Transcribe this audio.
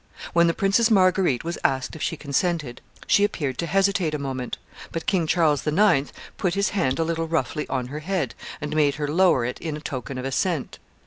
When the Princess Marguerite was asked if she consented, she appeared to hesitate a moment; but King Charles IX. put his hand a little roughly on her head, and made her lower it in token of assent.